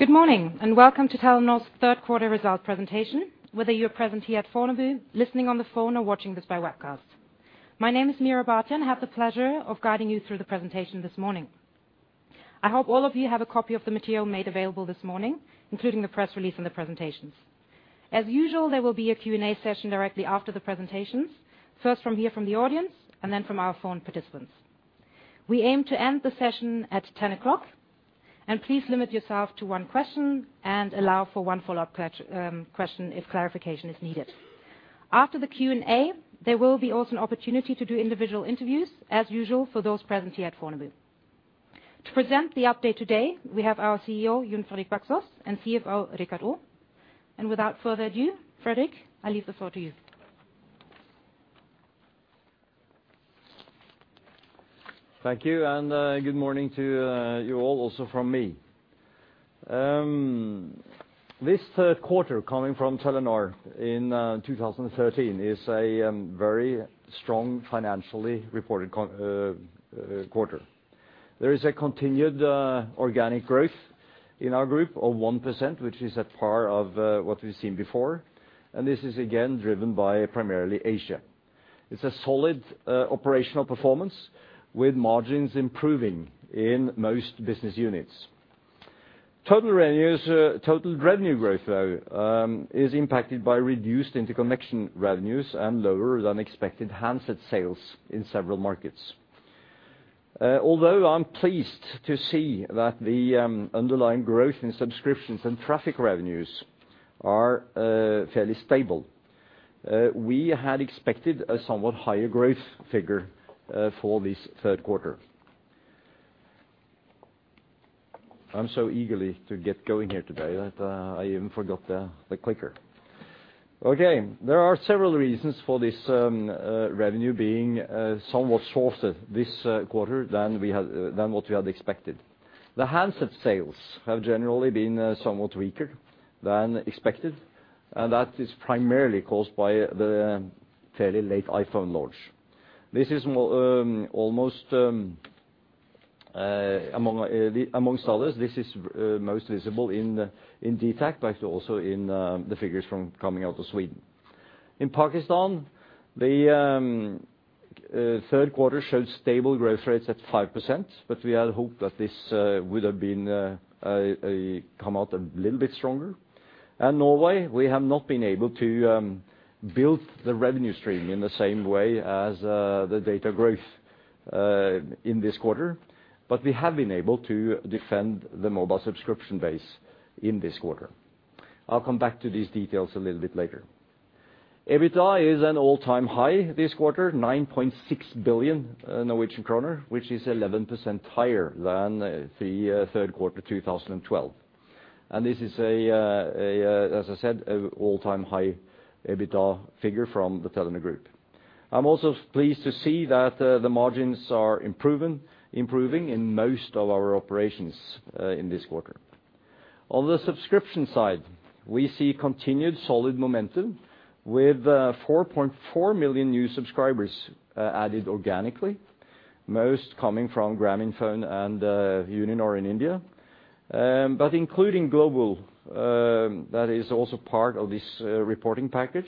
Good morning, and welcome to Telenor's third quarter results presentation, whether you're present here at Fornebu, listening on the phone, or watching this by webcast. My name is Meera Bhatia. I have the pleasure of guiding you through the presentation this morning. I hope all of you have a copy of the material made available this morning, including the press release and the presentations. As usual, there will be a Q&A session directly after the presentations, first from here from the audience, and then from our phone participants. We aim to end the session at 10:00 A.M., and please limit yourself to one question, and allow for one follow-up question if clarification is needed. After the Q&A, there will be also an opportunity to do individual interviews, as usual, for those present here at Fornebu. To present the update today, we have our CEO, Jon Fredrik Baksaas, and CFO, Rikard O. Without further ado, Fredrik, I leave the floor to you. Thank you, and, good morning to, you all, also from me. This third quarter coming from Telenor in 2013 is a, very strong financially reported quarter. There is a continued, organic growth in our group of 1%, which is a part of, what we've seen before, and this is again driven by primarily Asia. It's a solid, operational performance, with margins improving in most business units. Total revenues, total revenue growth, though, is impacted by reduced interconnection revenues and lower-than-expected handset sales in several markets. Although I'm pleased to see that the, underlying growth in subscriptions and traffic revenues are, fairly stable, we had expected a somewhat higher growth figure, for this third quarter. I'm so eagerly to get going here today that I even forgot the clicker. Okay, there are several reasons for this, revenue being somewhat shorter this quarter than what we had expected. The handset sales have generally been somewhat weaker than expected, and that is primarily caused by the fairly late iPhone launch. This is almost, among, amongst others, most visible in DTAC, but also in the figures coming out of Sweden. In Pakistan, the third quarter showed stable growth rates at 5%, but we had hoped that this would have come out a little bit stronger. Norway, we have not been able to build the revenue stream in the same way as the data growth in this quarter, but we have been able to defend the mobile subscription base in this quarter. I'll come back to these details a little bit later. EBITDA is an all-time high this quarter, 9.6 billion Norwegian kroner, which is 11% higher than the third quarter 2012. And this is a, as I said, an all-time high EBITDA figure from the Telenor Group. I'm also pleased to see that the margins are improving, improving in most of our operations in this quarter. On the subscription side, we see continued solid momentum with 4.4 million new subscribers added organically, most coming from Grameenphone and Uninor in India. But including global, that is also part of this reporting package,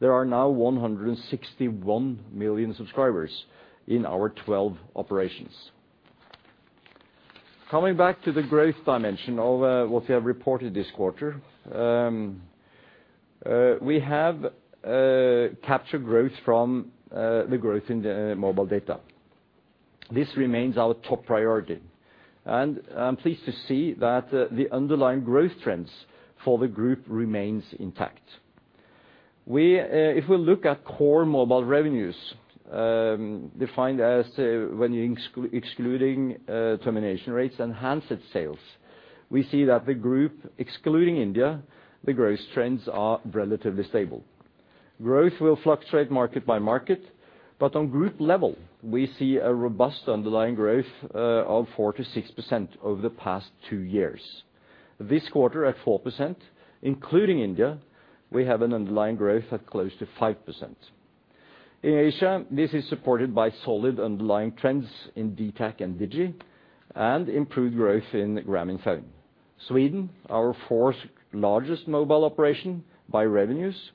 there are now 161 million subscribers in our 12 operations. Coming back to the growth dimension of what we have reported this quarter, we have captured growth from the growth in the mobile data. This remains our top priority, and I'm pleased to see that the underlying growth trends for the group remains intact. We, if we look at core mobile revenues, defined as, when you excluding termination rates and handset sales, we see that the group, excluding India, the growth trends are relatively stable. Growth will fluctuate market by market, but on group level, we see a robust underlying growth of 4%-6% over the past two years. This quarter, at 4%, including India, we have an underlying growth of close to 5%. In Asia, this is supported by solid underlying trends in DTAC and Digi, and improved growth in Grameenphone. Sweden, our fourth largest mobile operation by revenues,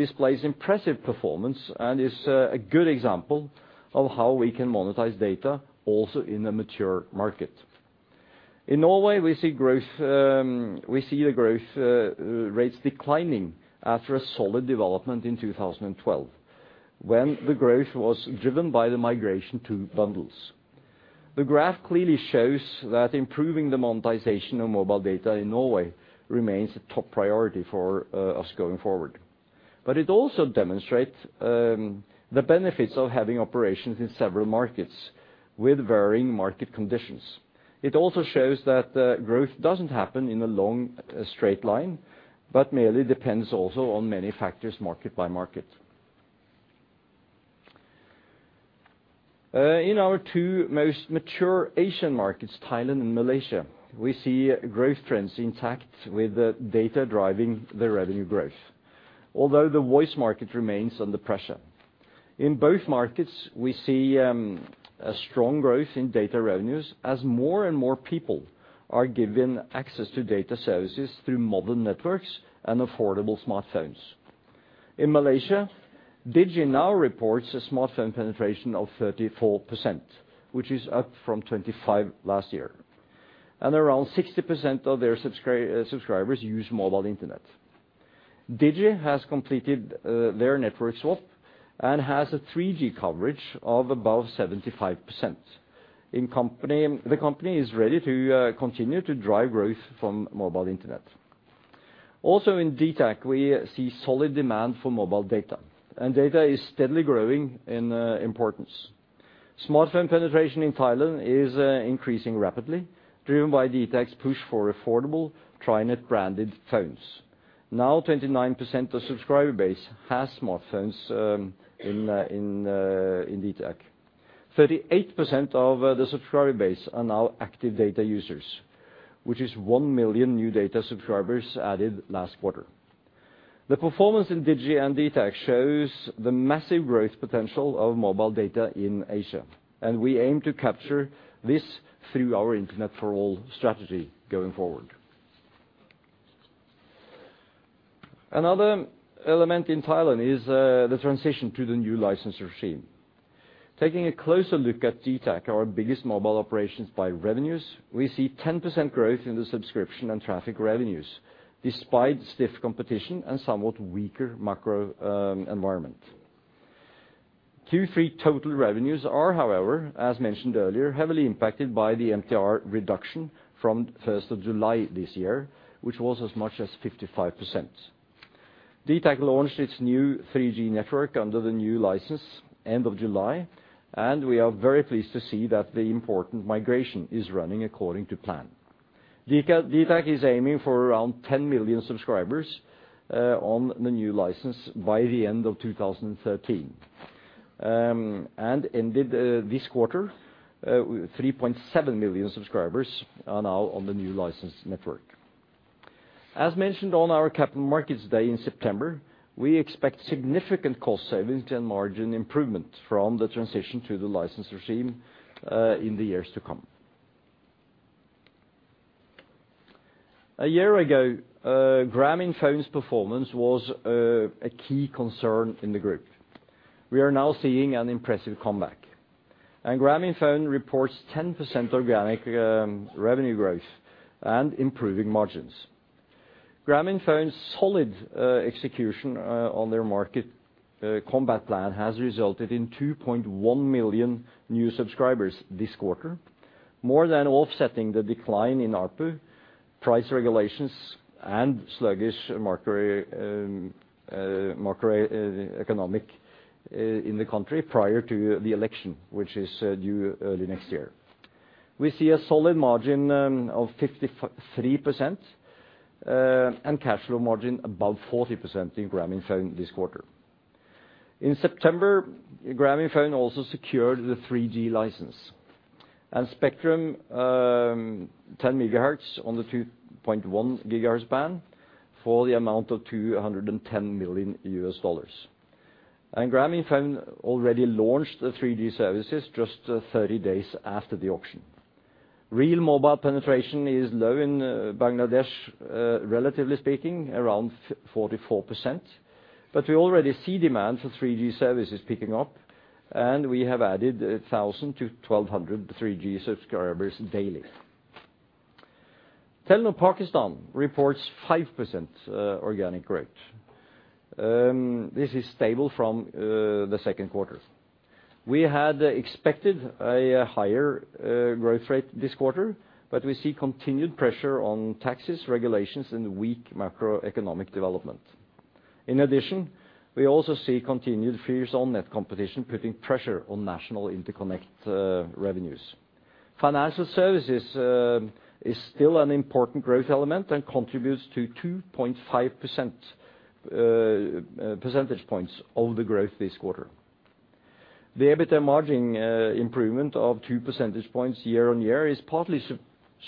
displays impressive performance and is a good example of how we can monetize data also in a mature market. In Norway, we see growth, we see the growth rates declining after a solid development in 2012, when the growth was driven by the migration to bundles. The graph clearly shows that improving the monetization of mobile data in Norway remains a top priority for us going forward. But it also demonstrates the benefits of having operations in several markets with varying market conditions. It also shows that the growth doesn't happen in a long, straight line, but mainly depends also on many factors, market by market. In our two most mature Asian markets, Thailand and Malaysia, we see growth trends intact with the data driving the revenue growth, although the voice market remains under pressure. In both markets, we see a strong growth in data revenues as more and more people are given access to data services through modern networks and affordable smartphones. In Malaysia, Digi now reports a smartphone penetration of 34%, which is up from 25% last year, and around 60% of their subscribers use mobile internet. Digi has completed their network swap and has a 3G coverage of about 75%. The company is ready to continue to drive growth from mobile internet. Also in DTAC, we see solid demand for mobile data, and data is steadily growing in importance. Smartphone penetration in Thailand is increasing rapidly, driven by DTAC's push for affordable, TriNet branded phones. Now, 29% of subscriber base has smartphones in DTAC. 38% of the subscriber base are now active data users, which is 1 million new data subscribers added last quarter. The performance in Digi and DTAC shows the massive growth potential of mobile data in Asia, and we aim to capture this through our Internet for All strategy going forward. Another element in Thailand is the transition to the new license regime. Taking a closer look at DTAC, our biggest mobile operations by revenues, we see 10% growth in the subscription and traffic revenues, despite stiff competition and somewhat weaker macro environment. Q3 total revenues are, however, as mentioned earlier, heavily impacted by the MTR reduction from first of July this year, which was as much as 55%. DTAC launched its new 3G network under the new license end of July, and we are very pleased to see that the important migration is running according to plan. DTAC is aiming for around 10 million subscribers on the new license by the end of 2013. And ended this quarter with 3.7 million subscribers are now on the new license network. As mentioned on our capital markets day in September, we expect significant cost savings and margin improvement from the transition to the license regime in the years to come. A year ago, Grameenphone's performance was a key concern in the group. We are now seeing an impressive comeback, and Grameenphone reports 10% organic revenue growth and improving margins. Grameenphone's solid execution on their market comeback plan has resulted in 2.1 million new subscribers this quarter, more than offsetting the decline in ARPU, price regulations, and sluggish market economic in the country prior to the election, which is due early next year. We see a solid margin of 53%, and cash flow margin above 40% in Grameenphone this quarter. In September, Grameenphone also secured the 3G license and spectrum, 10 MHz on the 2.1 GHz band for the amount of $210 million. Grameenphone already launched the 3G services just 30 days after the auction. Real mobile penetration is low in Bangladesh, relatively speaking, around 44%, but we already see demand for 3G services picking up, and we have added 1,000-1,200 3G subscribers daily. Telenor Pakistan reports 5% organic growth. This is stable from the second quarter. We had expected a higher growth rate this quarter, but we see continued pressure on taxes, regulations, and weak macroeconomic development. In addition, we also see continued fierce on-net competition, putting pressure on national interconnect revenues. Financial services is still an important growth element and contributes to 2.5 percentage points of the growth this quarter. The EBITDA margin improvement of 2 percentage points year-on-year is partly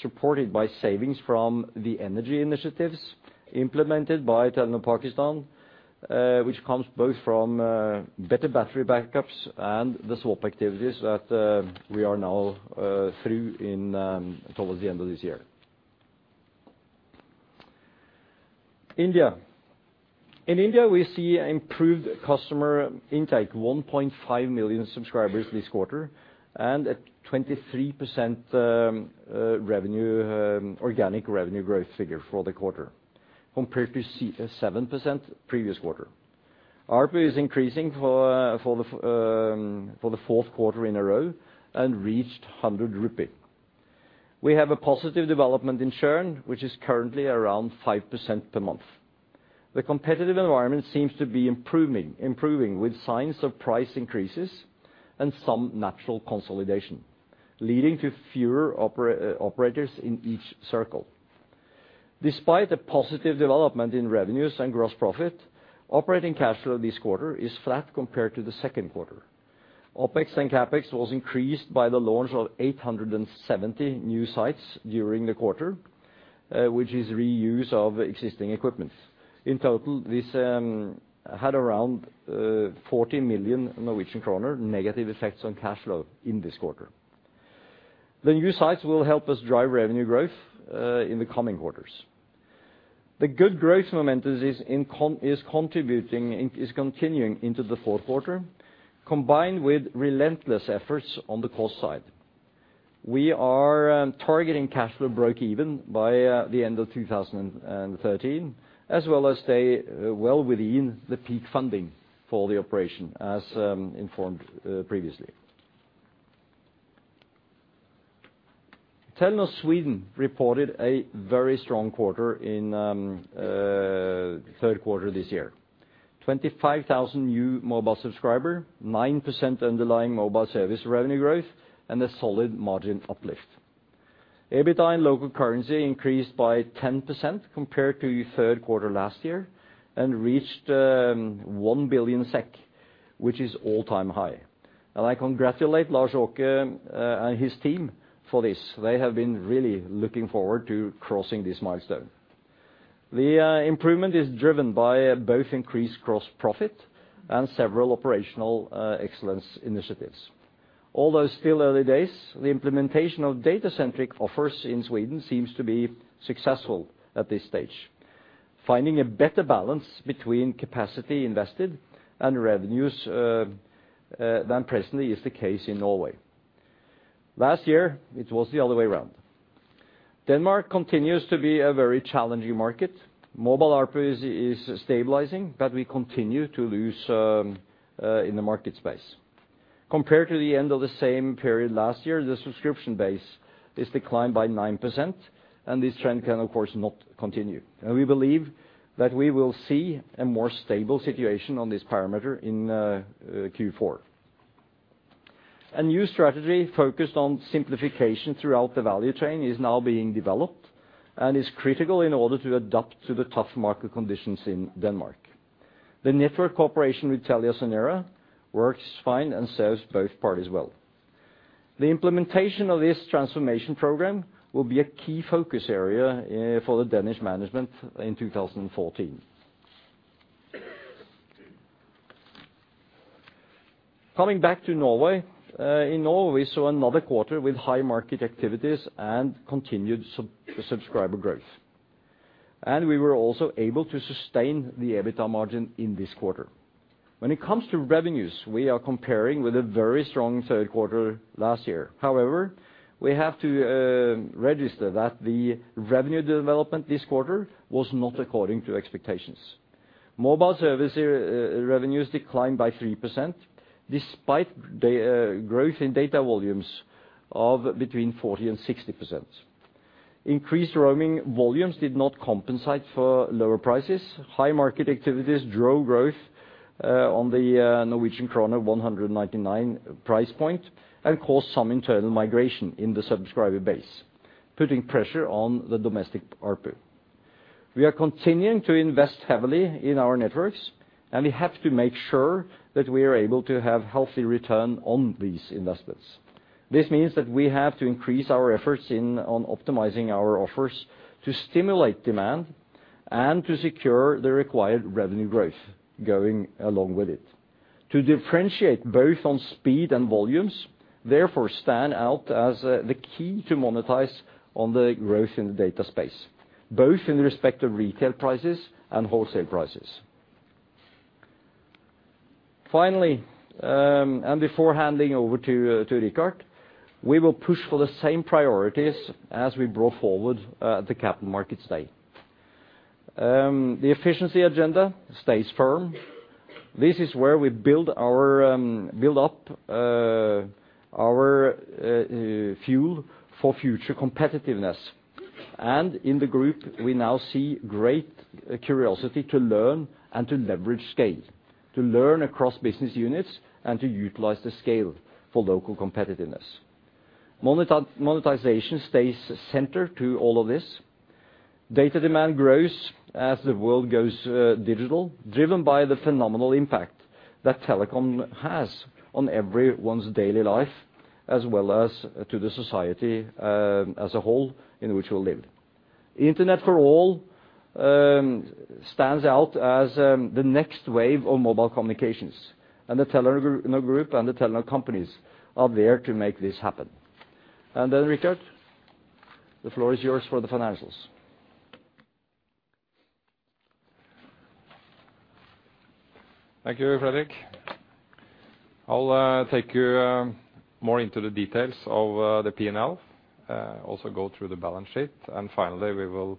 supported by savings from the energy initiatives implemented by Telenor Pakistan, which comes both from better battery backups and the swap activities that we are now through in towards the end of this year. India. In India, we see improved customer intake, 1.5 million subscribers this quarter, and a 23% organic revenue growth figure for the quarter, compared to 7% previous quarter. ARPU is increasing for the fourth quarter in a row and reached 100 rupee. We have a positive development in churn, which is currently around 5% per month. The competitive environment seems to be improving with signs of price increases and some natural consolidation, leading to fewer operators in each circle. Despite a positive development in revenues and gross profit, operating cash flow this quarter is flat compared to the second quarter. OpEx and CapEx was increased by the launch of 870 new sites during the quarter, which is reuse of existing equipments. In total, this had around 40 million Norwegian kroner negative effects on cash flow in this quarter. The new sites will help us drive revenue growth in the coming quarters. The good growth momentum is continuing into the fourth quarter, combined with relentless efforts on the cost side. We are targeting cash flow breakeven by the end of 2013, as well as stay well within the peak funding for the operation, as informed previously. Telenor Sweden reported a very strong quarter in third quarter this year. 25,000 new mobile subscriber, 9% underlying mobile service revenue growth, and a solid margin uplift. EBITDA in local currency increased by 10% compared to third quarter last year and reached 1 billion SEK, which is all-time high. I congratulate Lars-Åke and his team for this. They have been really looking forward to crossing this milestone. The improvement is driven by both increased gross profit and several operational excellence initiatives. Although still early days, the implementation of data-centric offers in Sweden seems to be successful at this stage. Finding a better balance between capacity invested and revenues than presently is the case in Norway. Last year, it was the other way around. Denmark continues to be a very challenging market. Mobile ARPU is stabilizing, but we continue to lose in the market space. Compared to the end of the same period last year, the subscription base is declined by 9%, and this trend can, of course, not continue. And we believe that we will see a more stable situation on this parameter in Q4. A new strategy focused on simplification throughout the value chain is now being developed and is critical in order to adapt to the tough market conditions in Denmark. The network cooperation with TeliaSonera works fine and serves both parties well. The implementation of this transformation program will be a key focus area for the Danish management in 2014. Coming back to Norway, in Norway, we saw another quarter with high market activities and continued subscriber growth. And we were also able to sustain the EBITDA margin in this quarter. When it comes to revenues, we are comparing with a very strong third quarter last year. However, we have to register that the revenue development this quarter was not according to expectations. Mobile service revenues declined by 3%, despite the growth in data volumes of between 40% and 60%. Increased roaming volumes did not compensate for lower prices. High market activities drove growth on the Norwegian krone 199 price point and caused some internal migration in the subscriber base, putting pressure on the domestic ARPU. We are continuing to invest heavily in our networks, and we have to make sure that we are able to have healthy return on these investments. This means that we have to increase our efforts in on optimizing our offers to stimulate demand and to secure the required revenue growth going along with it. To differentiate both on speed and volumes, therefore, stand out as the key to monetize on the growth in the data space, both in respect to retail prices and wholesale prices. Finally, and before handing over to Rikard, we will push for the same priorities as we brought forward at the Capital Markets Day. The efficiency agenda stays firm. This is where we build up our fuel for future competitiveness. In the group, we now see great curiosity to learn and to leverage scale, to learn across business units and to utilize the scale for local competitiveness. Monetization stays central to all of this. Data demand grows as the world goes digital, driven by the phenomenal impact that telecom has on everyone's daily life, as well as to the society, as a whole, in which we live. Internet for All stands out as the next wave of mobile communications, and the Telenor Group and the Telenor companies are there to make this happen. And then, Rikard, the floor is yours for the financials. Thank you, Fredrik. I'll take you more into the details of the P&L, also go through the balance sheet, and finally, we will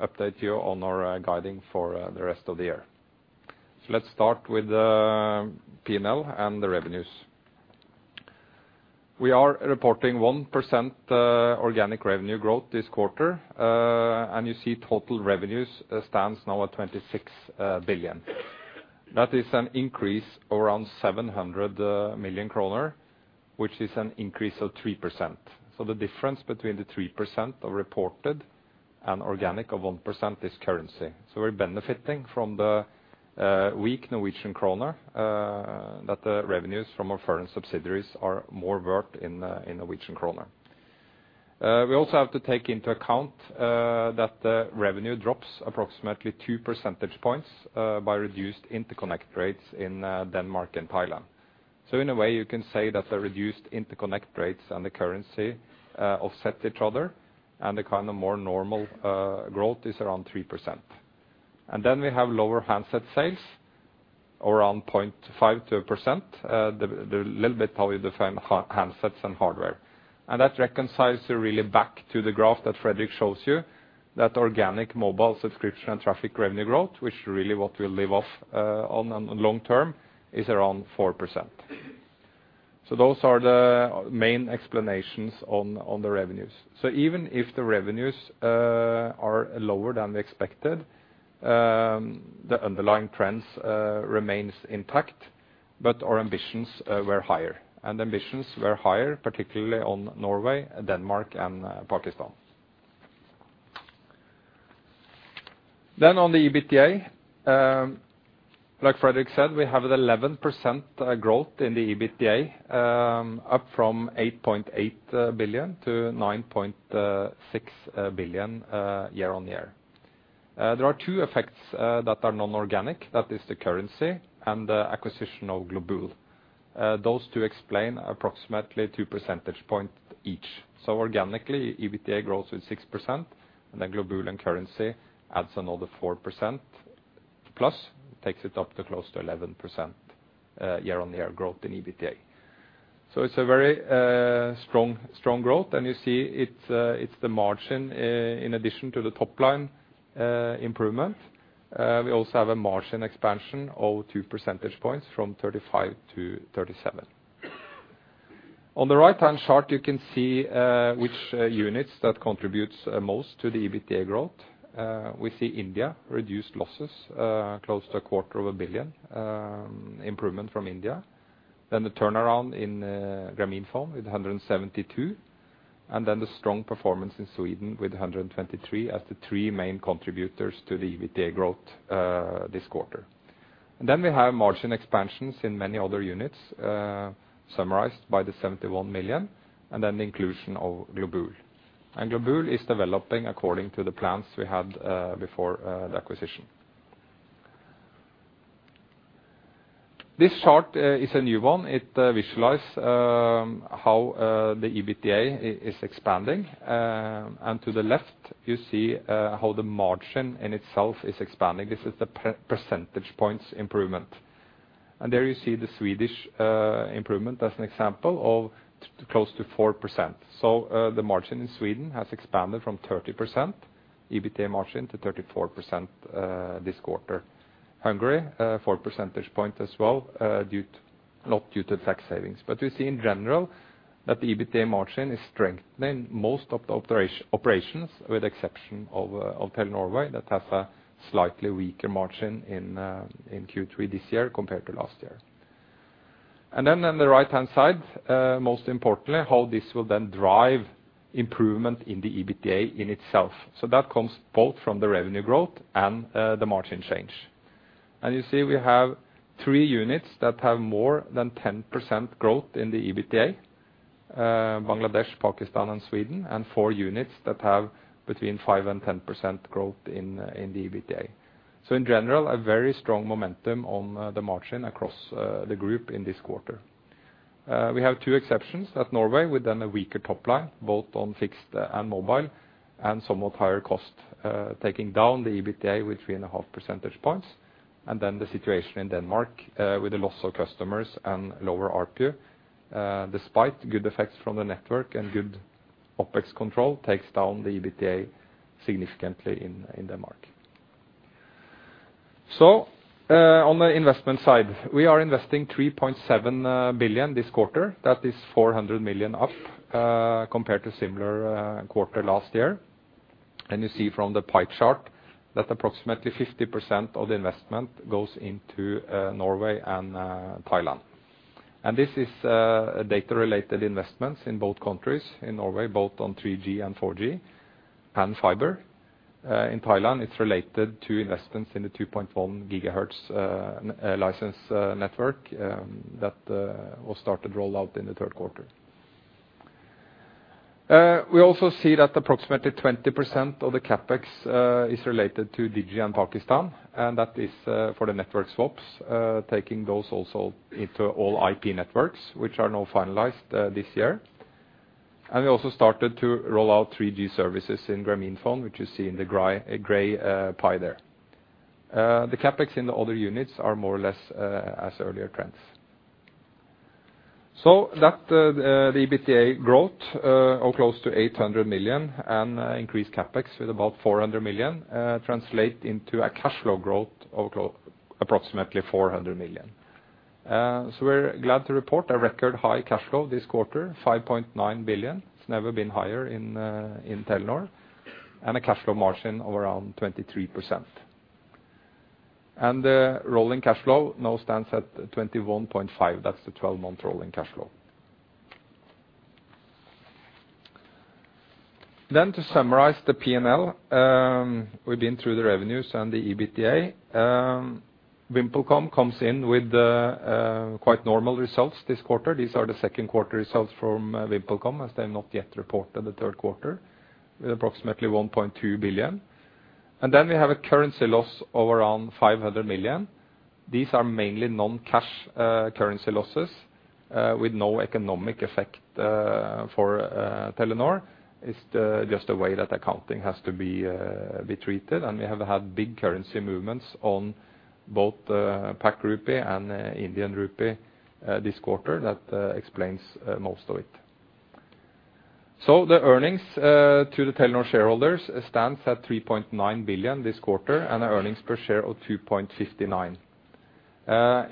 update you on our guiding for the rest of the year. So let's start with the P&L and the revenues. We are reporting 1% organic revenue growth this quarter, and you see total revenues stands now at 26 billion. That is an increase around 700 million kroner, which is an increase of 3%. So the difference between the 3% of reported and organic of 1% is currency. So we're benefiting from the weak Norwegian kroner that the revenues from our foreign subsidiaries are more worth in the, in Norwegian kroner. We also have to take into account that the revenue drops approximately two percentage points by reduced interconnect rates in Denmark and Thailand. So in a way, you can say that the reduced interconnect rates and the currency offset each other, and the kind of more normal growth is around 3%. And then we have lower handset sales, around 0.5%-1%. The little bit how we define handsets and hardware. And that reconciles really back to the graph that Fredrik shows you, that organic mobile subscription and traffic revenue growth, which really what we live off on long term, is around 4%. So those are the main explanations on the revenues. So even if the revenues are lower than we expected, the underlying trends remains intact, but our ambitions were higher, and ambitions were higher, particularly on Norway, Denmark, and Pakistan. Then on the EBITDA, like Fredrik said, we have 11% growth in the EBITDA, up from 8.8 billion-9.6 billion, year-on-year. There are two effects that are non-organic. That is the currency and the acquisition of Globul. Those two explain approximately 2 percentage points each. So organically, EBITDA grows with 6%, and then Globul and currency adds another 4%, plus takes it up to close to 11% year-on-year growth in EBITDA. So it's a very strong, strong growth, and you see it's the margin in addition to the top-line improvement. We also have a margin expansion of 2 percentage points from 35 to 37. On the right-hand chart, you can see which units that contributes most to the EBITDA growth. We see India reduced losses close to 250 million improvement from India. Then the turnaround in Grameenphone with 172 million, and then the strong performance in Sweden with 123 million as the three main contributors to the EBITDA growth this quarter. And then we have margin expansions in many other units summarized by the 71 million, and then the inclusion of Globul. And Globul is developing according to the plans we had before the acquisition. This chart is a new one. It visualize how the EBITDA is expanding. And to the left, you see how the margin in itself is expanding. This is the percentage points improvement. And there you see the Swedish improvement as an example of close to 4%. So, the margin in Sweden has expanded from 30% EBITDA margin to 34%, this quarter. Hungary 4 percentage point as well, due to, not due to tax savings. But you see in general, that the EBITDA margin is strengthening most of the operations, with exception of Telenor Norway, that has a slightly weaker margin in Q3 this year compared to last year. And then on the right-hand side, most importantly, how this will then drive improvement in the EBITDA in itself. So that comes both from the revenue growth and the margin change. And you see, we have three units that have more than 10% growth in the EBITDA, Bangladesh, Pakistan, and Sweden, and four units that have between 5% and 10% growth in the EBITDA. So in general, a very strong momentum on the margin across the group in this quarter. We have two exceptions, that Norway, with then a weaker top line, both on fixed and mobile, and somewhat higher cost, taking down the EBITDA with 3.5 percentage points, and then the situation in Denmark, with the loss of customers and lower ARPU. Despite good effects from the network and good OpEx control, takes down the EBITDA significantly in Denmark. So, on the investment side, we are investing 3.7 billion this quarter. That is 400 million up, compared to similar quarter last year. And you see from the pie chart that approximately 50% of the investment goes into, Norway and, Thailand. And this is, data-related investments in both countries. In Norway, both on 3G and 4G and Fiber. In Thailand, it's related to investments in the 2.1 GHz license network that was started rollout in the third quarter. We also see that approximately 20% of the CapEx is related to Digi and Pakistan, and that is, for the network swaps, taking those also into all IP networks, which are now finalized, this year. And we also started to roll out 3G services in Grameenphone, which you see in the gray, gray, pie there. The CapEx in the other units are more or less as earlier trends. So that the EBITDA growth of close to 800 million and increased CapEx with about 400 million translate into a cash flow growth of approximately 400 million. So we're glad to report a record high cash flow this quarter, 5.9 billion. It's never been higher in Telenor, and a cash flow margin of around 23%. The rolling cash flow now stands at 21.5%, that's the 12-month rolling cash flow. Then to summarize the PNL, we've been through the revenues and the EBITDA. VimpelCom comes in with quite normal results this quarter. These are the second quarter results from VimpelCom, as they have not yet reported the third quarter, with approximately 1.2 billion. And then we have a currency loss of around 500 million. These are mainly non-cash currency losses with no economic effect for Telenor. It's just the way that accounting has to be treated. We have had big currency movements on both the Pakistani rupee and Indian rupee this quarter that explains most of it. The earnings to the Telenor shareholders stands at 3.9 billion this quarter, and earnings per share of 2.59.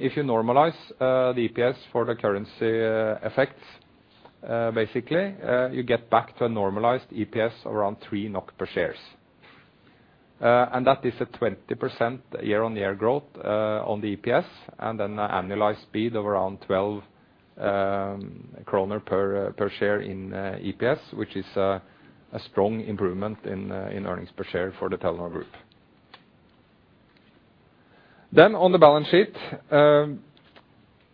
If you normalize the EPS for the currency effects, basically, you get back to a normalized EPS around 3 NOK per shares. That is a 20% year-on-year growth on the EPS and an annualized speed of around 12 kroner per share in EPS, which is a strong improvement in earnings per share for the Telenor Group. Then on the balance sheet, the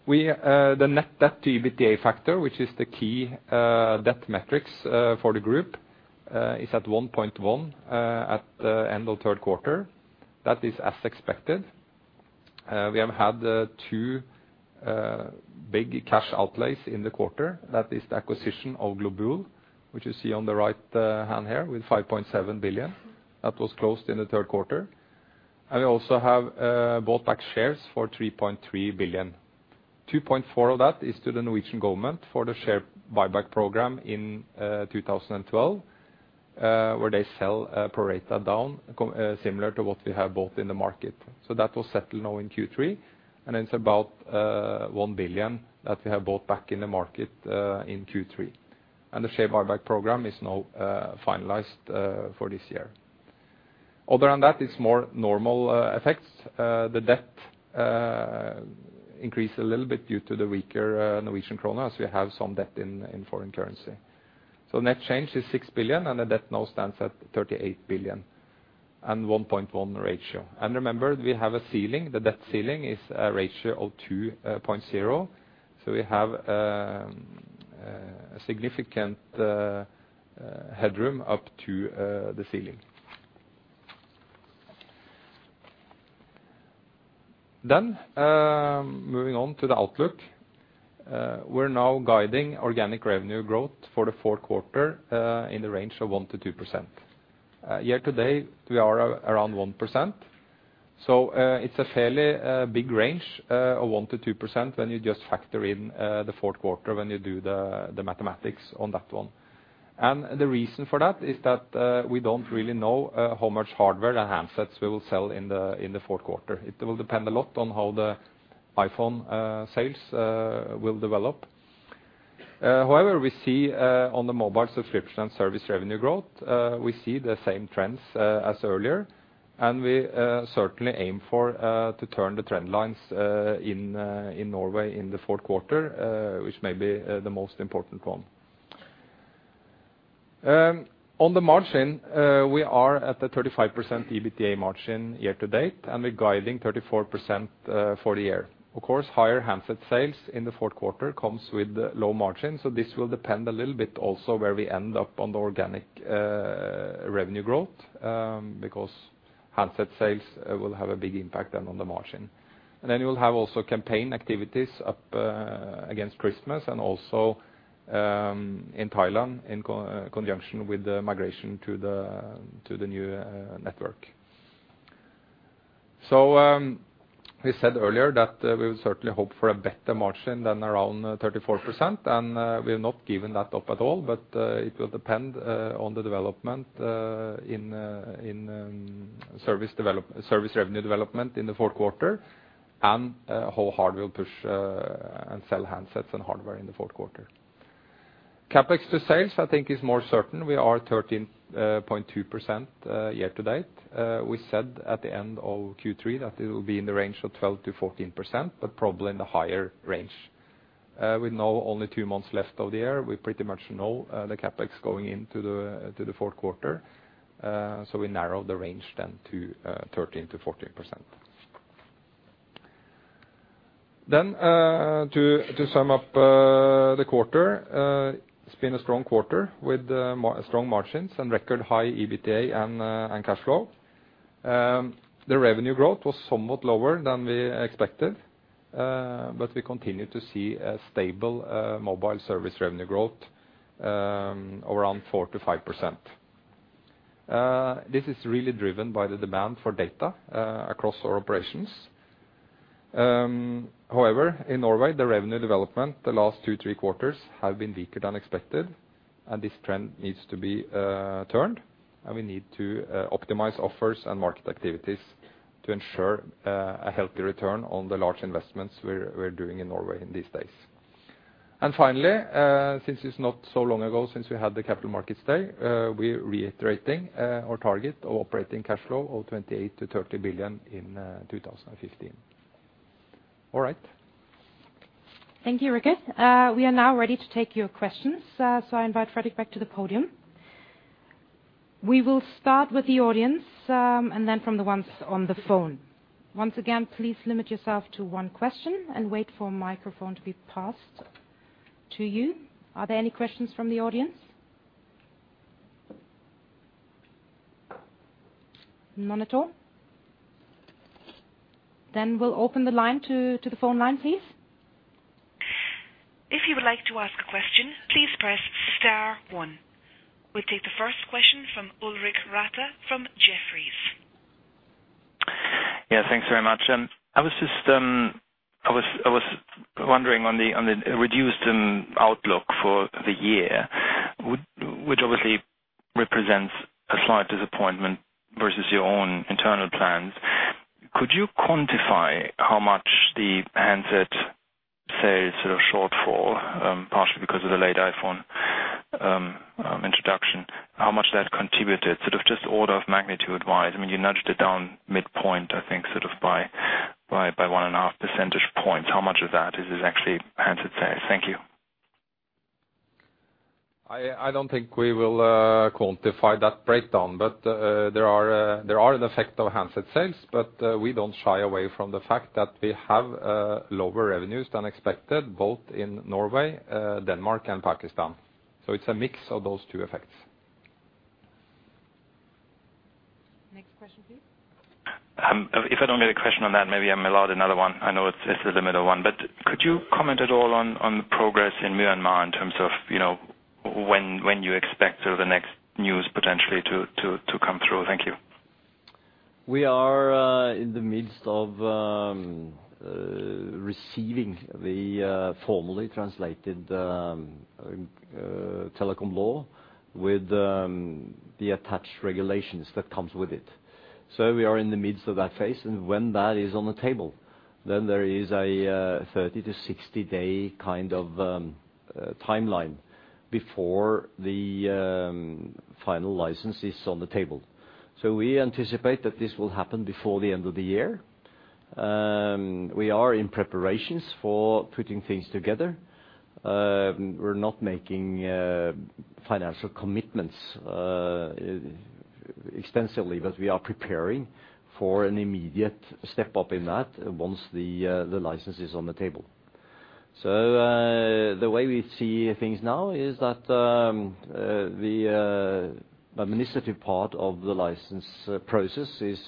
net debt-to-EBITDA factor, which is the key debt metrics for the group, is at 1.1 at the end of third quarter. That is as expected. We have had two big cash outlays in the quarter. That is the acquisition of Globul, which you see on the right hand here, with 5.7 billion. That was closed in the third quarter. And we also have bought back shares for 3.3 billion. 2.4 of that is to the Norwegian government for the share buyback program in 2012, where they sell pro rata down, similar to what we have bought in the market. So that was settled now in Q3, and it's about 1 billion that we have bought back in the market in Q3. And the share buyback program is now finalized for this year. Other than that, it's more normal effects. The debt increased a little bit due to the weaker Norwegian kroner, as we have some debt in foreign currency. So net change is 6 billion, and the debt now stands at 38 billion and 1.1 ratio. And remember, we have a ceiling, the debt ceiling is a ratio of 2.0, so we have a significant headroom up to the ceiling. Then, moving on to the outlook. We're now guiding organic revenue growth for the fourth quarter in the range of 1%-2%. Year-to-date, we are around 1%, so it's a fairly big range of 1%-2% when you just factor in the fourth quarter, when you do the mathematics on that one. And the reason for that is that we don't really know how much hardware and handsets we will sell in the fourth quarter. It will depend a lot on how the iPhone sales will develop. However, we see on the mobile subscription and service revenue growth, we see the same trends as earlier, and we certainly aim for to turn the trend lines in in Norway in the fourth quarter, which may be the most important one. On the margin, we are at the 35% EBITDA margin year-to-date, and we're guiding 34% for the year. Of course, higher handset sales in the fourth quarter comes with low margin, so this will depend a little bit also where we end up on the organic revenue growth, because handset sales will have a big impact then on the margin. Then you will have also campaign activities up against Christmas and also in Thailand, in conjunction with the migration to the new network. So we said earlier that we would certainly hope for a better margin than around 34%, and we have not given that up at all, but it will depend on the development in service revenue development in the fourth quarter, and how hard we'll push and sell handsets and hardware in the fourth quarter. CapEx to sales, I think, is more certain. We are 13.2%, year-to-date. We said at the end of Q3 that it will be in the range of 12%-14%, but probably in the higher range. With now only two months left of the year, we pretty much know the CapEx going into the fourth quarter, so we narrowed the range then to 13%-14%. To sum up the quarter, it's been a strong quarter with strong margins and record high EBITDA and cash flow. The revenue growth was somewhat lower than we expected, but we continue to see a stable mobile service revenue growth around 4%-5%. This is really driven by the demand for data across our operations. However, in Norway, the revenue development, the last two, three quarters have been weaker than expected, and this trend needs to be turned, and we need to optimize offers and market activities to ensure a healthy return on the large investments we're doing in Norway in these days. And finally, since it's not so long ago since we had the capital markets day, we're reiterating our target of operating cash flow of 28 billion-30 billion in 2015. All right. Thank you, Rikard. We are now ready to take your questions, so I invite Fredrik back to the podium. We will start with the audience, and then from the ones on the phone. Once again, please limit yourself to one question and wait for a microphone to be passed to you. Are there any questions from the audience? None at all? Then we'll open the line to the phone line, please. If you would like to ask a question, please press star one. We'll take the first question from Ulrich Rathe from Jefferies. Yeah, thanks very much. I was just wondering on the reduced outlook for the year, which obviously represents a slight disappointment versus your own internal plans. Could you quantify how much the handset sales sort of shortfall, partially because of the late iPhone introduction, how much that contributed? Sort of just order of magnitude-wise, I mean, you nudged it down midpoint, I think, sort of by 1.5 percentage points. How much of that is actually handset sales? Thank you. I don't think we will quantify that breakdown, but there are an effect of handset sales, but we don't shy away from the fact that we have lower revenues than expected, both in Norway, Denmark and Pakistan. So it's a mix of those two effects. Next question, please. If I don't get a question on that, maybe I'm allowed another one. I know it's a limited one, but could you comment at all on the progress in Myanmar in terms of, you know, when you expect sort of the next news potentially to come through? Thank you. We are in the midst of receiving the formally translated telecom law with the attached regulations that comes with it. So we are in the midst of that phase, and when that is on the table, then there is a 30-60 day kind of timeline before the final license is on the table. So we anticipate that this will happen before the end of the year. We are in preparations for putting things together. We're not making financial commitments extensively, but we are preparing for an immediate step up in that once the license is on the table. So, the way we see things now is that the administrative part of the license process is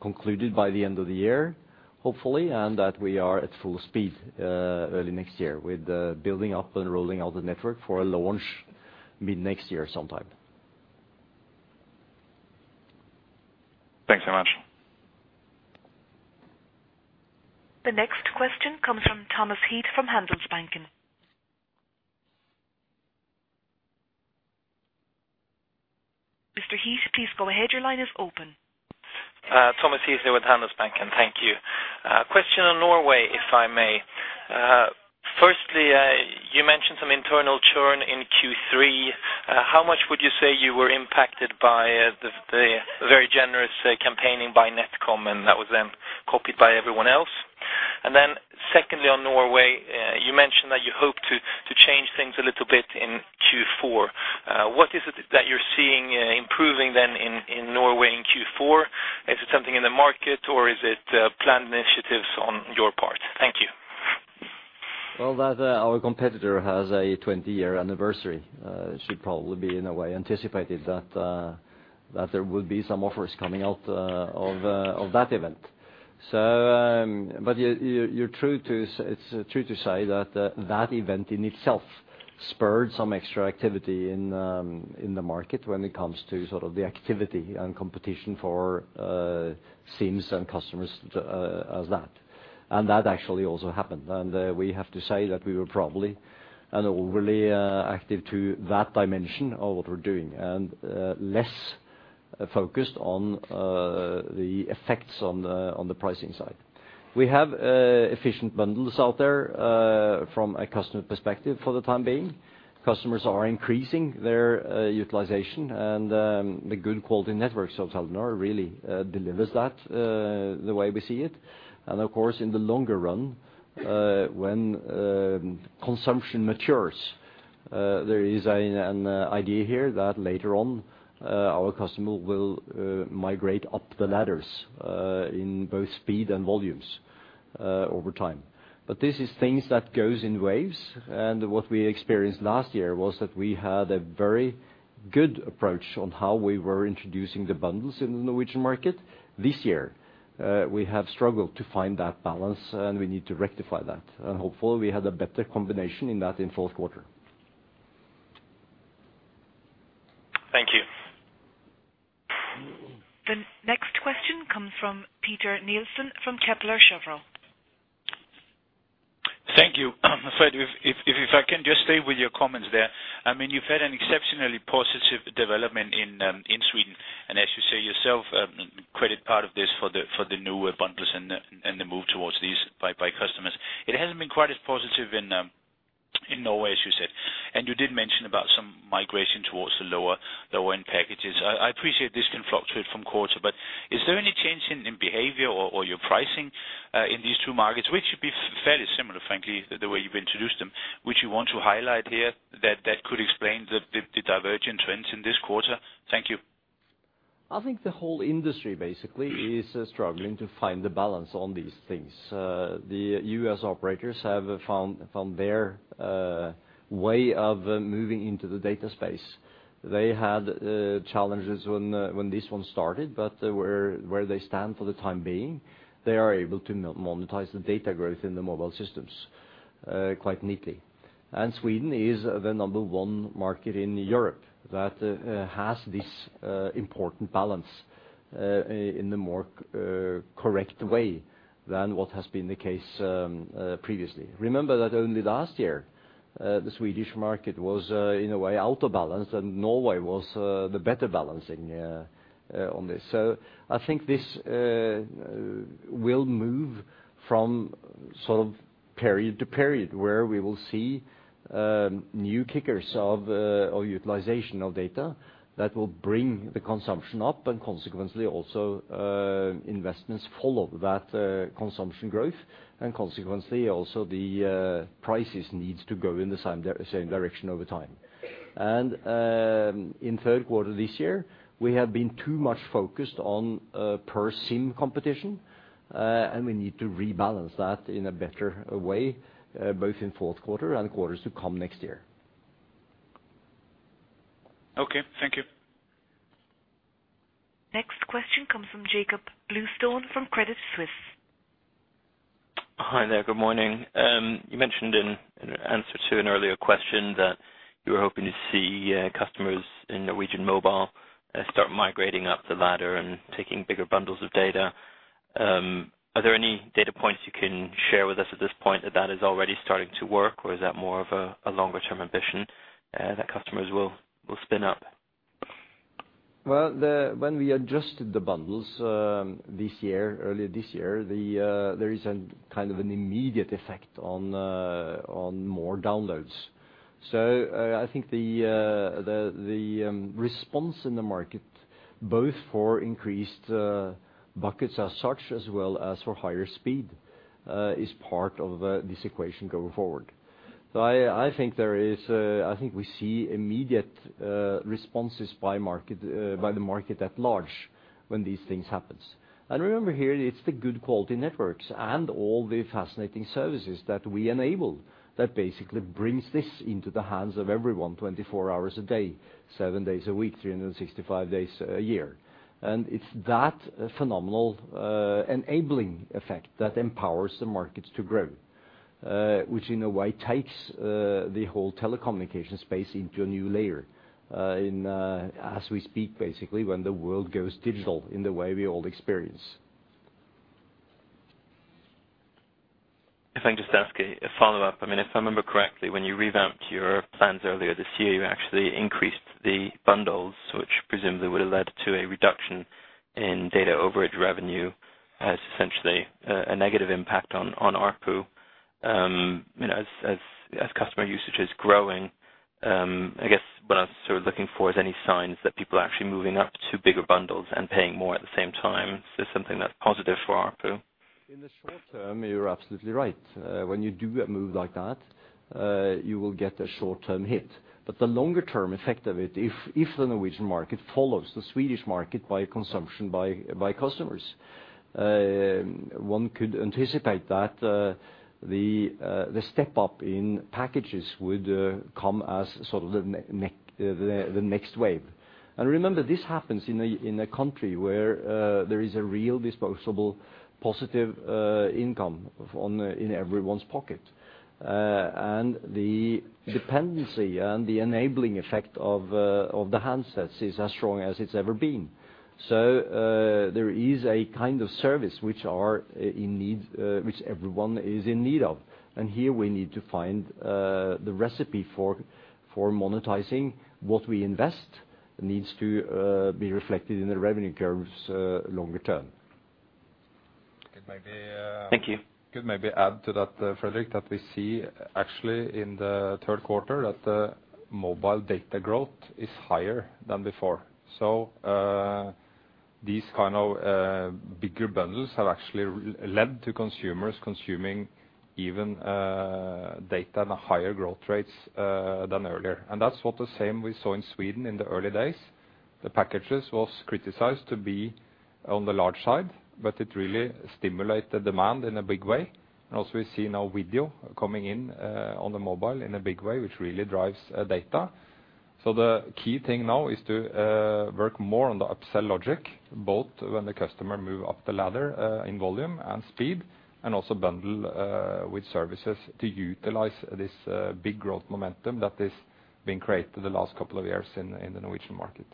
concluded by the end of the year, hopefully, and that we are at full speed early next year with building up and rolling out the network for a launch mid-next year sometime. Thanks so much. The next question comes from Thomas Heath from Handelsbanken. Mr. Heath, please go ahead. Your line is open. Thomas Heath here with Handelsbanken. Thank you. Question on Norway, if I may. Firstly, you mentioned some internal churn in Q3. How much would you say you were impacted by the very generous campaigning by NetCom, and that was then copied by everyone else? Then secondly, on Norway, you mentioned that you hope to change things a little bit in Q4. What is it that you're seeing improving then in Norway in Q4? Is it something in the market, or is it planned initiatives on your part? Thank you. Well, that our competitor has a 20-year anniversary should probably be, in a way, anticipated that that there would be some offers coming out of that event. So, but you, you're true to... It's true to say that that event in itself spurred some extra activity in the market when it comes to sort of the activity and competition for SIMs and customers as that. And that actually also happened, and we have to say that we were probably an overly active to that dimension of what we're doing, and less focused on the effects on the pricing side. We have efficient bundles out there from a customer perspective for the time being. Customers are increasing their utilization, and the good quality networks of Telenor really delivers that the way we see it. And of course, in the longer run, when consumption matures, there is an idea here that later on, our customer will migrate up the ladders in both speed and volumes over time. But this is things that goes in waves, and what we experienced last year was that we had a very good approach on how we were introducing the bundles in the Norwegian market. This year, we have struggled to find that balance, and we need to rectify that. And hopefully, we had a better combination in that in fourth quarter. Thank you. The next question comes from Peter Nielsen from Kepler Cheuvreux. Thank you. Fredrik, if I can just stay with your comments there. I mean, you've had an exceptionally positive development in Sweden, and as you say yourself, credit part of this for the new bundles and the move towards these by customers. It hasn't been quite as positive in Norway, as you said, and you did mention about some migration towards the lower-end packages. I appreciate this can fluctuate from quarter, but is there any change in behavior or your pricing in these two markets, which should be fairly similar, frankly, the way you've introduced them, which you want to highlight here, that could explain the divergent trends in this quarter? Thank you. I think the whole industry basically is struggling to find the balance on these things. The U.S. operators have found their way of moving into the data space. They had challenges when this one started, but where they stand for the time being, they are able to monetize the data growth in the mobile systems quite neatly. And Sweden is the number one market in Europe that has this important balance in the more correct way than what has been the case previously. Remember that only last year the Swedish market was in a way out of balance, and Norway was the better balancing on this. So I think this will move from sort of period to period, where we will see new kickers or utilization of data that will bring the consumption up, and consequently, also, investments follow that consumption growth, and consequently, also the prices needs to go in the same direction over time. And in third quarter this year, we have been too much focused on per SIM competition, and we need to rebalance that in a better way, both in fourth quarter and quarters to come next year. Okay, thank you. Next question comes from Jakob Bluestone from Credit Suisse. Hi there. Good morning. You mentioned in an answer to an earlier question that you were hoping to see customers in Norwegian Mobile start migrating up the ladder and taking bigger bundles of data. Are there any data points you can share with us at this point that is already starting to work, or is that more of a longer-term ambition that customers will spin up? Well, when we adjusted the bundles this year, earlier this year, there is a kind of an immediate effect on more downloads. So I think the response in the market, both for increased buckets as such, as well as for higher speed, is part of this equation going forward. So I think there is, I think we see immediate responses by the market at large when these things happen. And remember here, it's the good quality networks and all the fascinating services that we enable that basically brings this into the hands of everyone, 24 hours a day, seven days a week, 365 days a year. It's that phenomenal enabling effect that empowers the markets to grow, which in a way takes the whole telecommunication space into a new layer, in as we speak, basically, when the world goes digital in the way we all experience. If I can just ask a follow-up, I mean, if I remember correctly, when you revamped your plans earlier this year, you actually increased the bundles, which presumably would have led to a reduction in data overage revenue as essentially a negative impact on ARPU. As customer usage is growing, I guess what I'm sort of looking for is any signs that people are actually moving up to bigger bundles and paying more at the same time. Is this something that's positive for ARPU? In the short term, you're absolutely right. When you do a move like that, you will get a short-term hit. But the longer term effect of it, if the Norwegian market follows the Swedish market by consumption by customers, one could anticipate that the step up in packages would come as sort of the next wave. And remember, this happens in a country where there is a real disposable positive income in everyone's pocket. And the dependency and the enabling effect of the handsets is as strong as it's ever been. So, there is a kind of service which are in need, which everyone is in need of, and here, we need to find the recipe for monetizing what we invest. It needs to be reflected in the revenue curves longer term. Thank you. I could maybe add to that, Fredrik, that we see actually in the third quarter, that the mobile data growth is higher than before. So, these kind of bigger bundles have actually led to consumers consuming even data at higher growth rates than earlier. And that's what the same we saw in Sweden in the early days. The packages was criticized to be on the large side, but it really stimulated the demand in a big way. And also we see now video coming in on the mobile in a big way, which really drives data. The key thing now is to work more on the upsell logic, both when the customer move up the ladder in volume and speed, and also bundle with services to utilize this big growth momentum that has been created the last couple of years in the Norwegian market.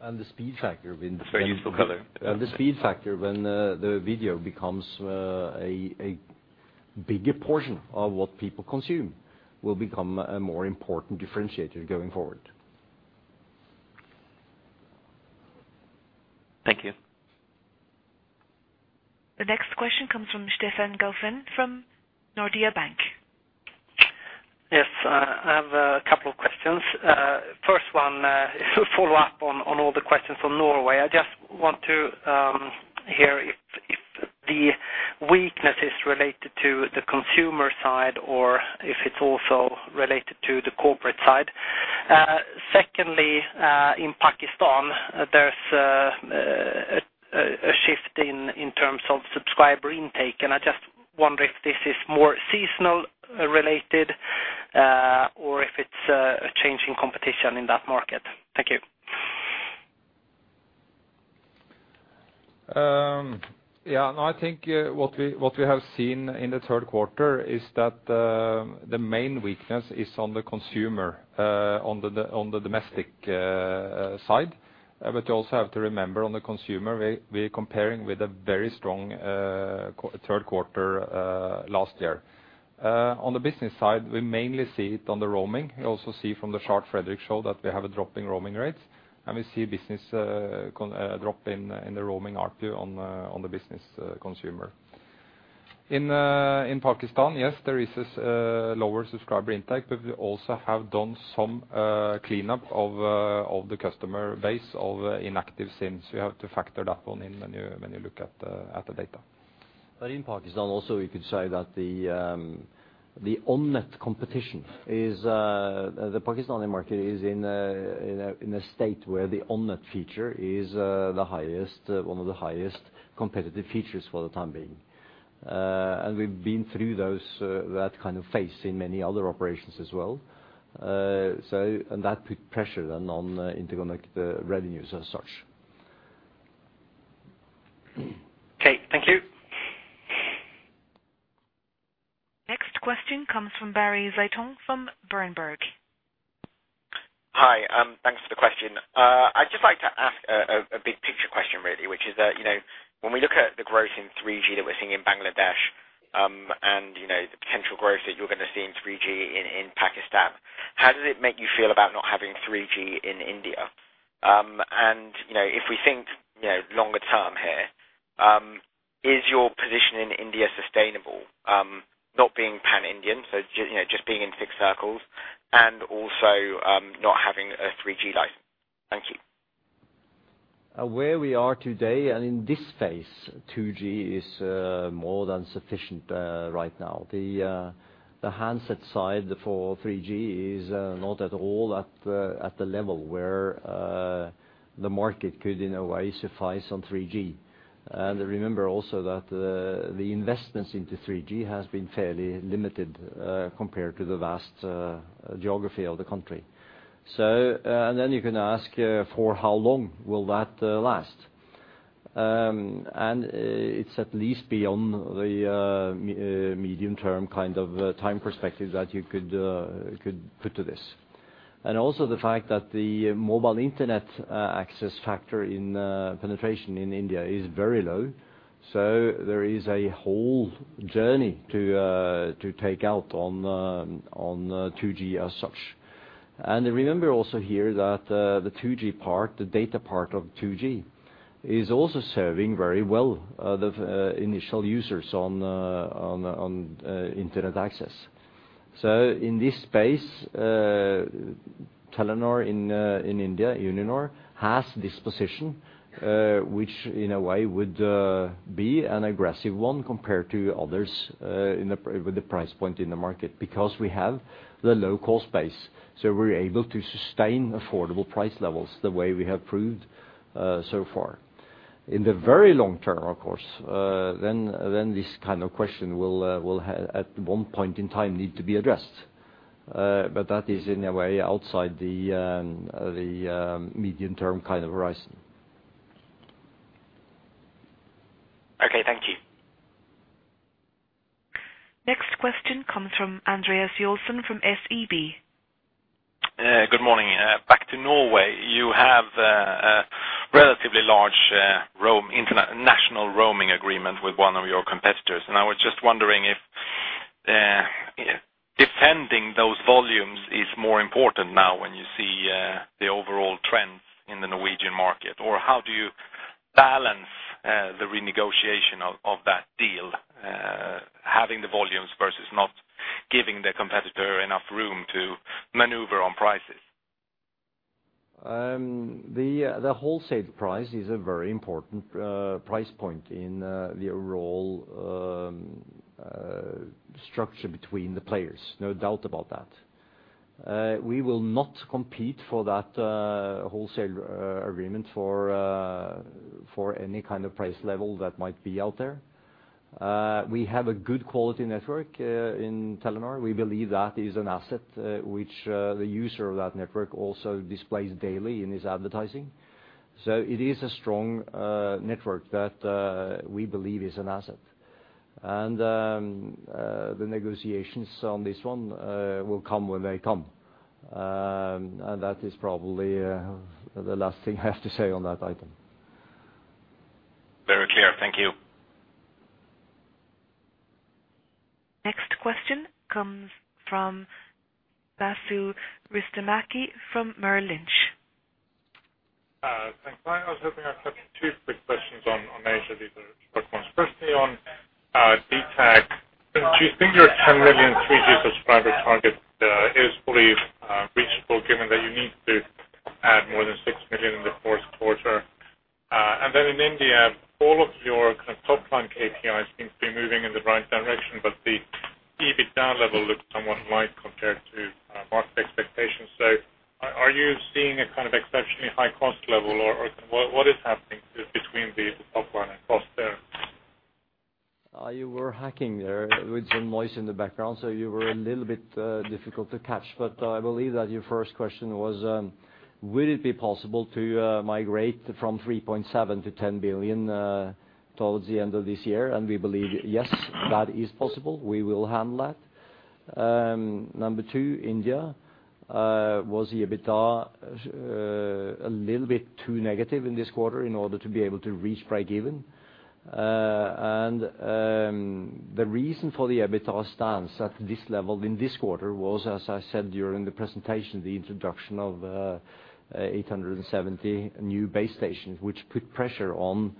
The speed factor when- Very useful color. The speed factor, when the video becomes a bigger portion of what people consume, will become a more important differentiator going forward. Thank you. The next question comes from Stefan Gauffin from Nordea Bank. Yes, I have a couple of questions. First one is a follow-up on all the questions on Norway. I just want to hear if the weakness is related to the consumer side or if it's also related to the corporate side. Secondly, in Pakistan, there's a shift in terms of subscriber intake, and I just wonder if this is more seasonal related or if it's a change in competition in that market? Thank you. Yeah, no, I think what we have seen in the third quarter is that the main weakness is on the consumer, on the domestic side. But you also have to remember, on the consumer, we're comparing with a very strong third quarter last year. On the business side, we mainly see it on the roaming. We also see from the chart Fredrik showed that we have a drop in roaming rates, and we see business drop in the roaming ARPU on the business consumer. In Pakistan, yes, there is this lower subscriber intake, but we also have done some cleanup of the customer base of inactive SIMs. We have to factor that one in when you look at the data. But in Pakistan, also, you could say that the Pakistani market is in a state where the on-net feature is one of the highest competitive features for the time being. And we've been through that kind of phase in many other operations as well. And that put pressure then on interconnect revenues as such. Okay, thank you. Next question comes from Barry Zeitoune from Berenberg. Hi, thanks for the question. I'd just like to ask a big-picture question, really, which is that, you know, when we look at the growth in 3G that we're seeing in Bangladesh, and, you know, the potential growth that you're going to see in 3G in Pakistan, how does it make you feel about not having 3G in India? And, you know, if we think, you know, longer term here, is your position in India sustainable, not being pan-Indian, so you know, just being in fixed circles, and also, not having a 3G license? Thank you. Where we are today, and in this phase, 2G is more than sufficient right now. The handset side for 3G is not at all at the level where the market could, in a way, suffice on 3G. And remember also that the investments into 3G has been fairly limited compared to the vast geography of the country. So then you can ask for how long will that last? And it's at least beyond the medium-term kind of time perspective that you could put to this. And also, the fact that the mobile internet access factor in penetration in India is very low, so there is a whole journey to take out on 2G as such. Remember also here that, the 2G part, the data part of 2G, is also serving very well, the initial users on internet access. In this space, Telenor in India, Uninor, has this position, which, in a way, would be an aggressive one compared to others, with the price point in the market, because we have the low-cost base, so we're able to sustain affordable price levels the way we have proved so far. In the very long term, of course, then this kind of question will at one point in time need to be addressed. But that is, in a way, outside the medium-term kind of horizon. Okay, thank you. Next question comes from Andreas Joelsson, from SEB. Good morning. Back to Norway. You have a relatively large national roaming agreement with one of your competitors, and I was just wondering if defending those volumes is more important now, when you see the overall trends in the Norwegian market? Or how do you balance the renegotiation of that deal, having the volumes versus not giving the competitor enough room to maneuver on prices? The wholesale price is a very important price point in the overall structure between the players, no doubt about that. We will not compete for that wholesale agreement for any kind of price level that might be out there. We have a good quality network in Telenor. We believe that is an asset which the user of that network also displays daily in his advertising. So it is a strong network that we believe is an asset. The negotiations on this one will come when they come. And that is probably the last thing I have to say on that item. Very clear. Thank you. Next question comes from Sasu Ristimäki from Merrill Lynch. Thanks. I was hoping I'd touch two quick questions on, on Asia, these are short ones. Firstly, on DTAC, do you think your 10 million 3G subscriber target is fully reachable, given that you need to add more than 6 million in the fourth quarter? And then in India, all of your kind of top-line KPIs seem to be moving in the right direction, but the EBITDA level looks somewhat light compared to market expectations. So are you seeing a kind of exceptionally high cost level, or what is happening between the top line and cost there? You were hacking there with some noise in the background, so you were a little bit difficult to catch. But I believe that your first question was: Will it be possible to migrate from 3.7 billion-10 billion towards the end of this year? We believe, yes, that is possible. We will handle that. Number two, India: was the EBITDA a little bit too negative in this quarter in order to be able to reach breakeven? The reason for the EBITDA stance at this level in this quarter was, as I said during the presentation, the introduction of 870 new base stations, which put pressure on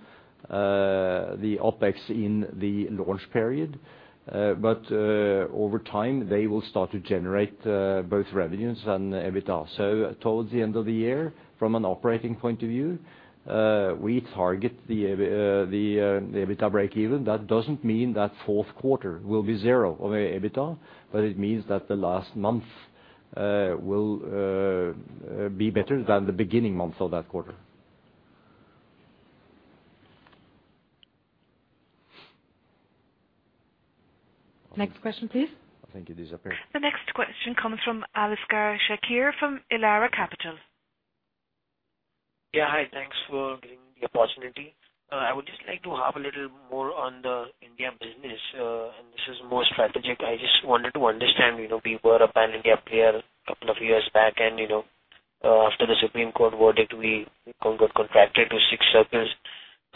the OpEx in the launch period. But over time, they will start to generate both revenues and EBITDA. Towards the end of the year, from an operating point of view, we target the EBITDA breakeven. That doesn't mean that fourth quarter will be zero over EBITDA, but it means that the last month will be better than the beginning months of that quarter. Next question, please. I think it disappeared. The next question comes from Aliasgar Shakir, from Elara Capital. Yeah, hi, thanks for giving the opportunity. I would just like to harp a little more on the India business, and this is more strategic. I just wanted to understand, you know, we were a pan-India player a couple of years back, and, you know, after the Supreme Court verdict, we got contracted to six circles.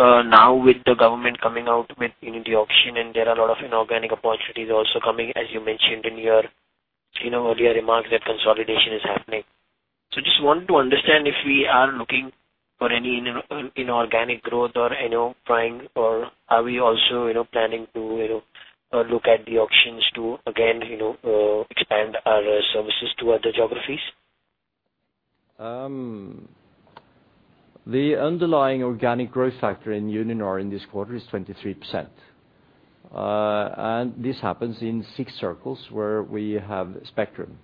Now with the government coming out with unified auction, and there are a lot of inorganic opportunities also coming, as you mentioned in your, you know, earlier remarks, that consolidation is happening. So just want to understand if we are looking for any inorganic growth or, you know, trying, or are we also, you know, planning to, you know, look at the auctions to again, you know, expand our services to other geographies? The underlying organic growth factor in Uninor in this quarter is 23%. And this happens in six circles where we have spectrum.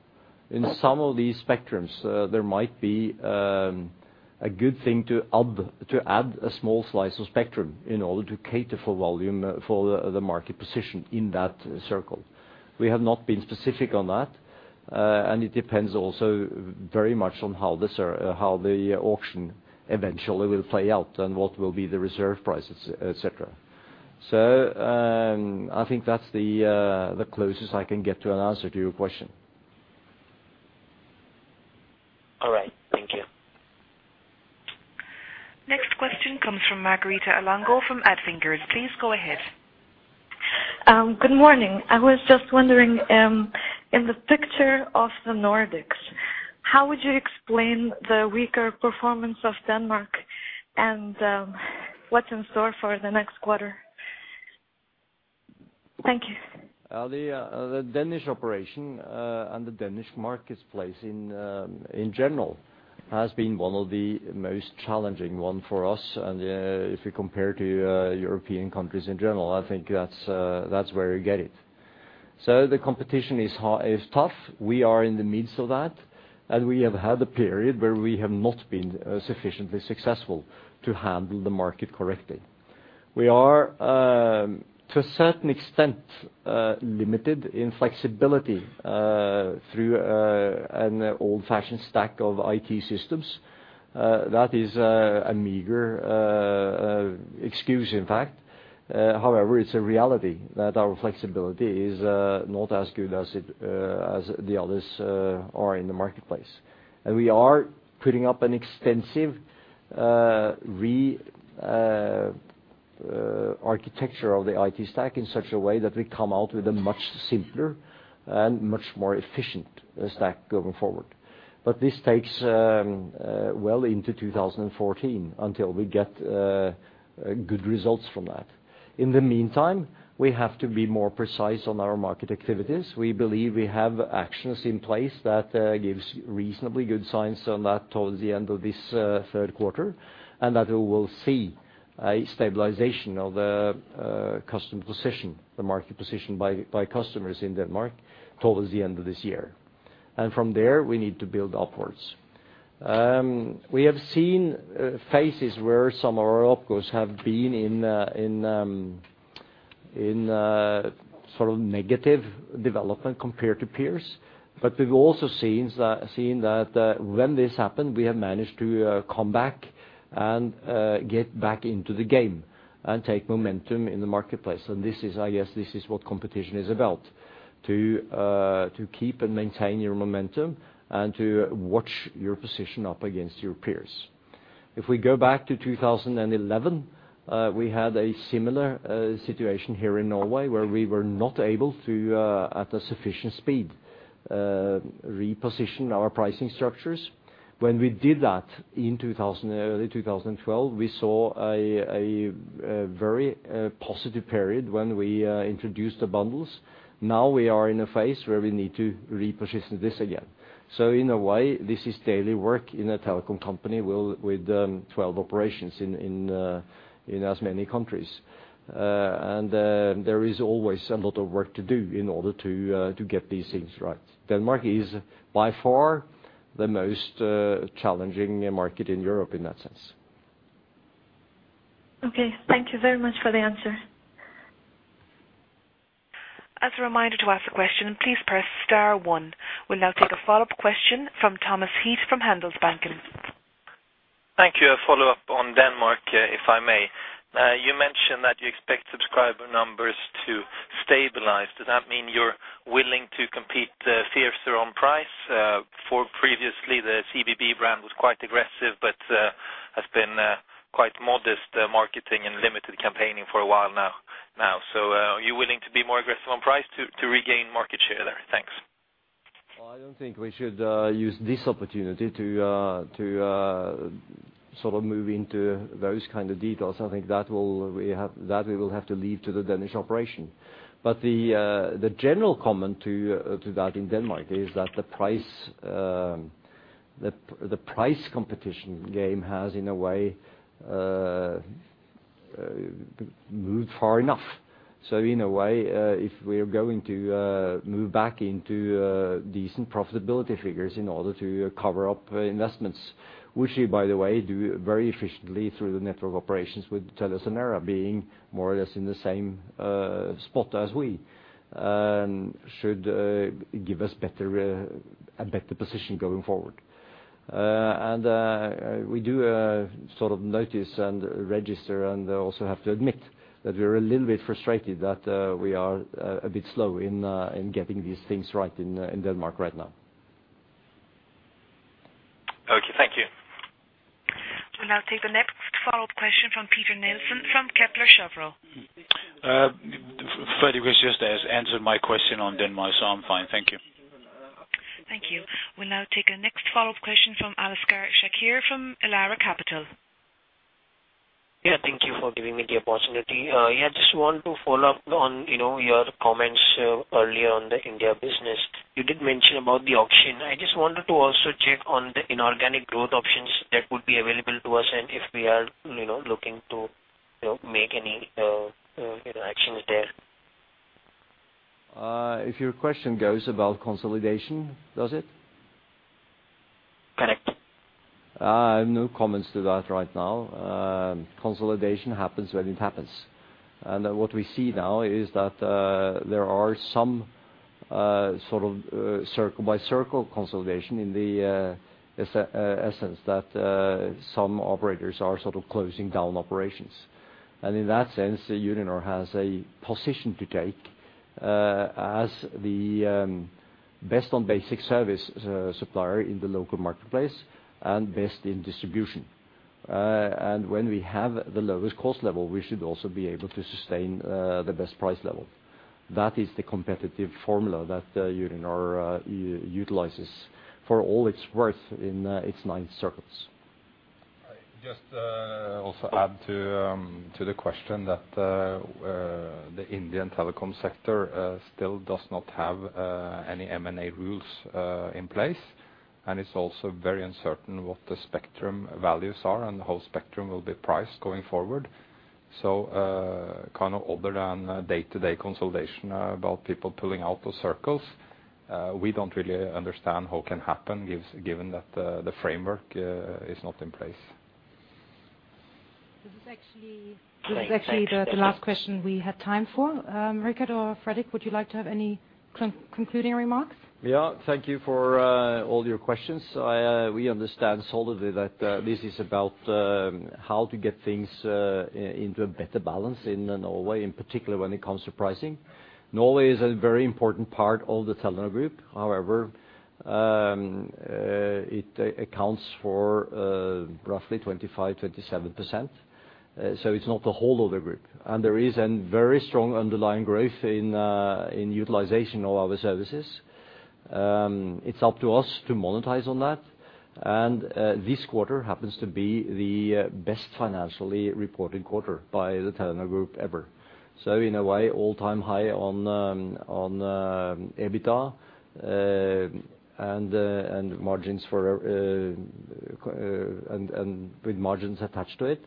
In some of these spectrums, there might be a good thing to add, to add a small slice of spectrum in order to cater for volume for the, the market position in that circle. We have not been specific on that, and it depends also very much on how the auction eventually will play out and what will be the reserve prices, et cetera. So, I think that's the, the closest I can get to an answer to your question. All right. Thank you. Next question comes from Margarita Alonso from Oddo Securities. Please go ahead. Good morning. I was just wondering, in the picture of the Nordics, how would you explain the weaker performance of Denmark and what's in store for the next quarter? Thank you. The Danish operation and the Danish marketplace in general has been one of the most challenging one for us. If you compare to European countries in general, I think that's where you get it. So the competition is tough. We are in the midst of that, and we have had a period where we have not been sufficiently successful to handle the market correctly. We are to a certain extent limited in flexibility through an old-fashioned stack of IT systems. That is a meager excuse, in fact. However, it's a reality that our flexibility is not as good as it as the others are in the marketplace. We are putting up an extensive re-architecture of the IT stack in such a way that we come out with a much simpler and much more efficient stack going forward. But this takes well into 2014 until we get good results from that. In the meantime, we have to be more precise on our market activities. We believe we have actions in place that gives reasonably good signs on that towards the end of this third quarter, and that we will see a stabilization of the customer position, the market position by customers in Denmark towards the end of this year. And from there, we need to build upwards. We have seen phases where some of our operators have been in sort of negative development compared to peers. But we've also seen that, seen that, when this happened, we have managed to come back and get back into the game and take momentum in the marketplace. And this is, I guess, this is what competition is about. To keep and maintain your momentum and to watch your position up against your peers. If we go back to 2011, we had a similar situation here in Norway, where we were not able to, at a sufficient speed, reposition our pricing structures. When we did that in 2012, early 2012, we saw a very positive period when we introduced the bundles. Now we are in a phase where we need to reposition this again. So in a way, this is daily work in a telecom company with twelve operations in as many countries. And there is always a lot of work to do in order to get these things right. Denmark is by far the most challenging market in Europe in that sense. Okay, thank you very much for the answer. As a reminder to ask a question, please press star one. We'll now take a follow-up question from Thomas Heath from Handelsbanken. Thank you. A follow-up on Denmark, if I may. You mentioned that you expect subscriber numbers to stabilize. Does that mean you're willing to compete, fiercely on price? For previously, the CBB brand was quite aggressive, but, has been, quite modest, marketing and limited campaigning for a while now. So, are you willing to be more aggressive on price to regain market share there? Thanks. Well, I don't think we should use this opportunity to sort of move into those kind of details. I think that we will have to leave that to the Danish operation. But the general comment to that in Denmark is that the price competition game has, in a way, moved far enough. So in a way, if we're going to move back into decent profitability figures in order to cover up investments, which we, by the way, do very efficiently through the network operations with TeliaSonera being more or less in the same spot as we should give us a better position going forward. We do sort of notice and register, and also have to admit that we are a little bit frustrated that we are a bit slow in getting these things right in Denmark right now. Okay, thank you. We'll now take the next follow-up question from Peter Nielsen from Kepler Cheuvreux. Fredrik has just answered my question on Denmark, so I'm fine. Thank you. Thank you. We'll now take our next follow-up question from Aliasgar Shakir from Elara Capital. Yeah, thank you for giving me the opportunity. Yeah, just want to follow up on, you know, your comments earlier on the India business. You did mention about the auction. I just wanted to also check on the inorganic growth options that would be available to us and if we are, you know, looking to, you know, make any, you know, actions there. If your question goes about consolidation, does it? Correct. I have no comments to that right now. Consolidation happens when it happens. And what we see now is that, there are some, sort of, circle-by-circle consolidation in the, essence, that, some operators are sort of closing down operations. And in that sense, Uninor has a position to take, as the, best on basic service, supplier in the local marketplace and best in distribution. And when we have the lowest cost level, we should also be able to sustain, the best price level. That is the competitive formula that, Uninor, utilizes for all it's worth in, its nine circles. I just also add to the question that the Indian telecom sector still does not have any M&A rules in place. And it's also very uncertain what the spectrum values are, and the whole spectrum will be priced going forward. So kind of other than day-to-day consolidation about people pulling out those circles, we don't really understand what can happen given that the framework is not in place. This is actually the last question we had time for. Rikard or Fredrik, would you like to have any concluding remarks? Yeah, thank you for all your questions. We understand solidly that this is about how to get things into a better balance in Norway, in particular, when it comes to pricing. Norway is a very important part of the Telenor Group. However, it accounts for roughly 25%-27%. So it's not the whole of the group. And there is a very strong underlying growth in utilization of our services. It's up to us to monetize on that. And this quarter happens to be the best financially reported quarter by the Telenor Group ever. So in a way, all-time high on EBITDA and margins with margins attached to it.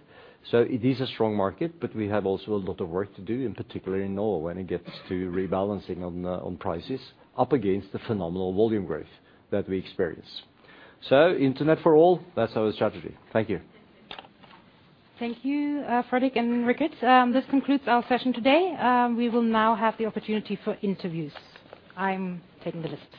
So it is a strong market, but we have also a lot of work to do, in particular in Norway, when it gets to rebalancing on, on prices up against the phenomenal volume growth that we experience. So Internet for All, that's our strategy. Thank you. Thank you, Fredrik and Rikard. This concludes our session today. We will now have the opportunity for interviews. I'm taking the list.